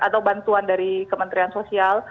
atau bantuan dari kementerian sosial